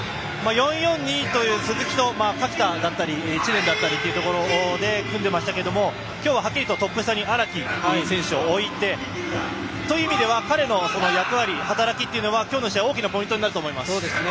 ４−４−２という鈴木と垣田、知念だったりと組んでいましたけど今日ははっきりとトップ下に荒木という選手を置いて彼の役割、働きは今日の試合大きなポイントになると思います。